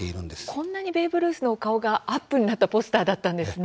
こんなにベーブ・ルースの顔がアップになったポスターだったんですね。